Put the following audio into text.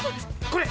これ！